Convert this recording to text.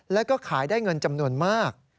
แล้วก็ขายได้เงินจำนวนมาก